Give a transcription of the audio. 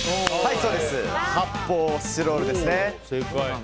発泡スチロールですね。